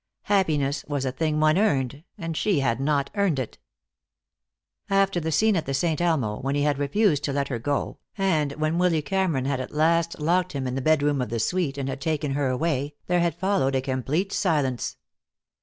Happiness was a thing one earned, and she had not earned it. After the scene at the Saint Elmo, when he had refused to let her go, and when Willy Cameron had at last locked him in the bedroom of the suite and had taken her away, there had followed a complete silence.